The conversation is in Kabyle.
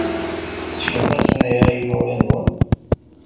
Tesseknem-asen aya i yimawlan-nwen?